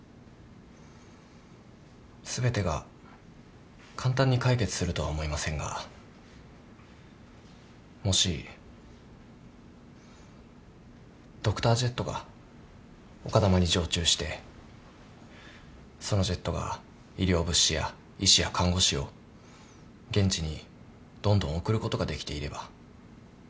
全てが簡単に解決するとは思いませんがもしドクタージェットが丘珠に常駐してそのジェットが医療物資や医師や看護師を現地にどんどん送ることができていれば。